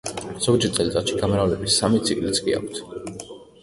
ზოგჯერ წელიწადში გამრავლების სამი ციკლიც კი აქვთ.